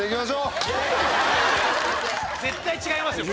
絶対違いますよ